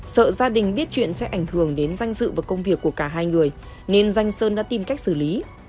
sợ gia đình biết chuyện sẽ ảnh hưởng đến danh dự và công việc của cả hai người nên danh sơn đã tìm cách xử lý